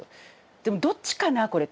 でもどっちかなこれって。